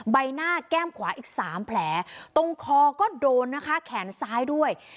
ใบหน้าแก้มขวาอีก๓แผลตรงคอก็โดนนะคะแขนซ้ายด้วย